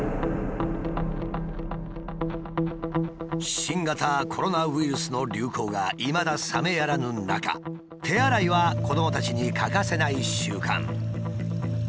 新型コロナウイルスの流行がいまだ冷めやらぬ中手洗いは子どもたちに欠かせない習慣。